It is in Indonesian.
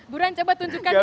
buruan coba tunjukkan dulu